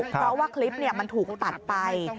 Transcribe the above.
เพราะว่าคลิปมันถูกตัดไป